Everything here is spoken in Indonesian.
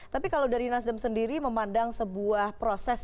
tapi kalau dari nasdem sendiri memandang sebuah proses